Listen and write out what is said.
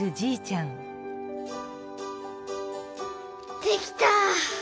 できた！